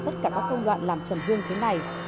tất cả các công đoạn làm trầm dương thế này